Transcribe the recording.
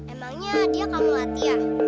emangnya dia kamu latihan